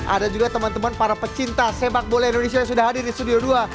ada juga teman teman para pecinta sepak bola indonesia yang sudah hadir di studio dua